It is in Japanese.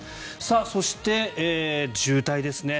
そして、渋滞ですね。